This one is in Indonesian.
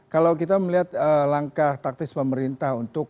kalau kita melihat langkah taktis pemerintah untuk